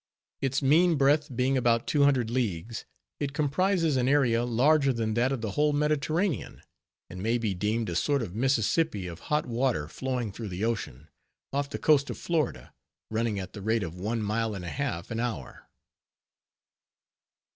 Its mean breadth being about two hundred leagues, it comprises an area larger than that of the whole Mediterranean, and may be deemed a sort of Mississippi of hot water flowing through the ocean; off the coast of Florida, running at the rate of one mile and a half an hour.